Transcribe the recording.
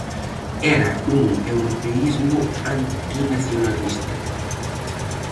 Era un europeísmo antinacionalista.